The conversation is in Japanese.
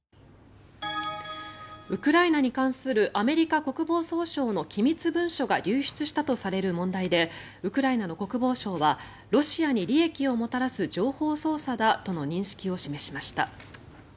ウクライナに関するアメリカ国防総省の機密文書が流出したとされる問題でウクライナの国防相はロシアに利益をもたらす情報操作だとの認識を示しました。